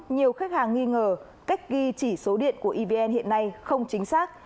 nhiều khách hàng nghi ngờ cách ghi chỉ số điện của evn hiện nay không chính xác